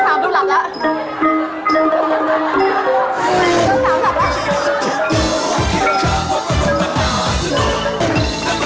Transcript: คน๓มันหลับจริงตอนนี้เหมือนหลับจริงเลย